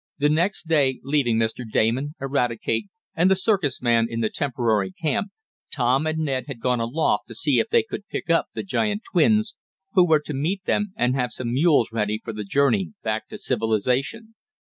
The next day, leaving Mr. Damon, Eradicate and the circus man in the temporary camp, Tom and Ned had gone aloft to see if they could pick up the giant twins, who were to meet them and have some mules ready for the journey back to civilization.